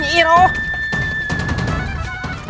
tidak nyi iroh